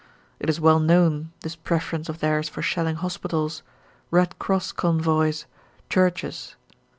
It is well known, this preference of theirs for shelling hospitals, Red Cross convoys, churches.